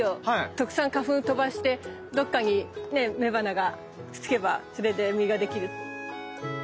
たくさん花粉飛ばしてどっかにね雌花がくっつけばそれで実ができる。